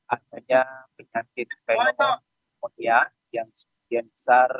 adanya penyakit pneumonia yang segini yang besar